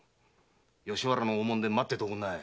吉原の大門で待っててください。